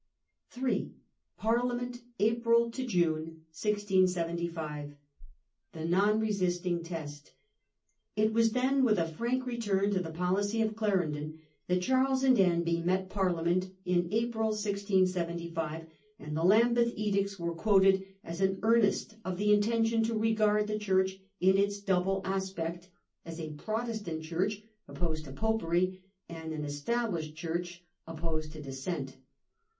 3. Parliament, April to June 1675. The Non resisting Test It was, then, with a frank return to the policy of Clarendon that Charles and Danby met Parliament in April 1675, an d the Lambeth edicts were quoted as an earnest of the intention to regard the Church in its double aspect as a Protestant Church opposed to Popery and an established Church opposed to Dissent.